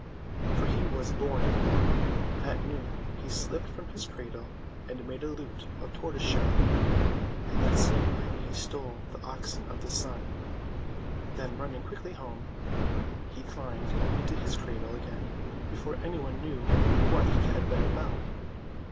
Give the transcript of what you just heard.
For he was born in the morning, at noon he slipped from his cradle and made a lute of tortoise shell, and that same night he stole the Oxen of the Sun; then running quickly home, he climbed into his cradle again, before any one knew what he had been about.